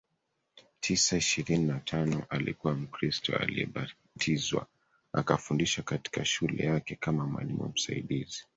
tisa ishirini na tano alikuwa Mkristo aliyebatizwa akafundisha katika shule yake kama mwalimu msaidizi